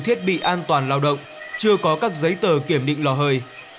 thiết bị an toàn lao động chưa có các giấy tờ kiểm định lò hơi